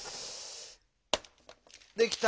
できた！